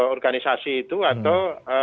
organisasi itu atau